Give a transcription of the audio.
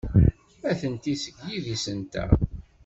Atenti seg yidis-nteɣ.